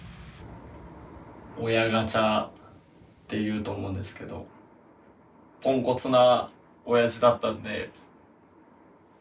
「親ガチャ」っていうと思うんですけどポンコツな親父だったんで。